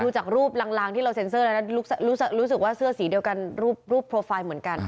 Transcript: จากรูปลางที่เราเซ็นเซอร์แล้วรู้สึกว่าเสื้อสีเดียวกันรูปโปรไฟล์เหมือนกัน